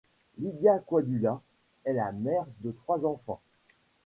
Lydia Koidula est la mère de trois enfants.